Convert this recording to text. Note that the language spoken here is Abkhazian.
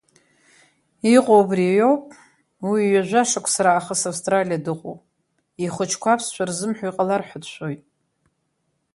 Иҟоу убриоуп, уи ҩажәа шықәса раахыс Австралиа дыҟоуп, ихәыҷқәа аԥсшәа рзымҳәо иҟалар ҳәа дшәоит.